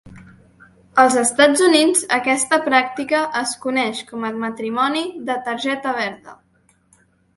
Als Estats Units, aquesta pràctica es coneix com a matrimoni de targeta verda.